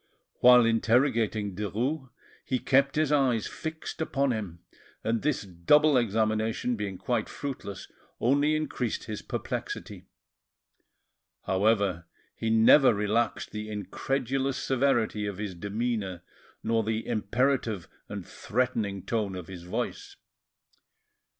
While interrogating Derues, he kept his eyes fixed upon him; and this double examination being quite fruitless, only increased his perplexity. However, he never relaxed the incredulous severity of his demeanour, nor the imperative and threatening tone of his voice.